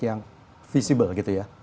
yang visible gitu ya